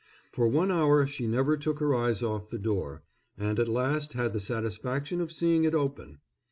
For one hour she never took her eyes off the door, and at last had the satisfaction of seeing it open.